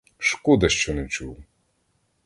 Шкода, що не чув!